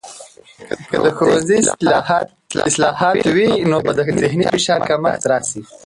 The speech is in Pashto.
که د ښوونځي اصلاحات وي، نو به د ذهني فشار کمښت راسي.